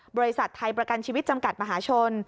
บริษัทไทยประกันชีวิตจำกัดมหาชน